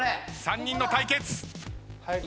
３人の対決。